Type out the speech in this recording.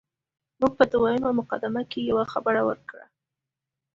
موږ په دویمه مقدمه کې یوه خبره وکړه.